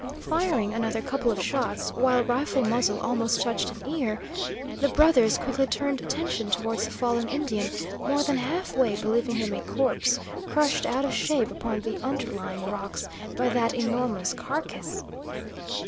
Firing another couple of shots while rifle muzzle almost touched an ear, the brothers quickly turned attention towards the fallen Indian, more than half believing him a corpse, crushed out of shape upon the underlying rocks by that enormous carcass.